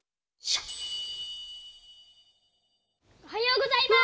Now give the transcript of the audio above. おはようございます！